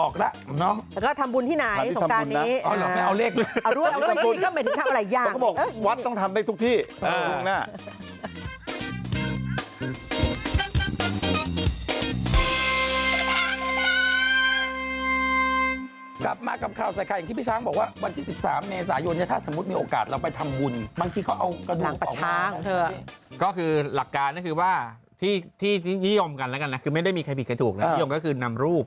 คุณต้องตามไปส่งทางถึงสวรรค์ถึงจะดีมาก